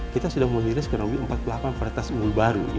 kita sudah meniris kurang lebih empat puluh delapan peretas ungu baru